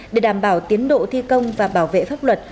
để đảm bảo tiến độ thi công và bảo vệ pháp luật